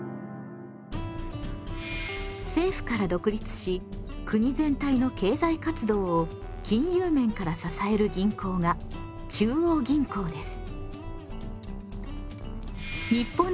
政府から独立し国全体の経済活動を金融面から支える銀行が中央銀行です。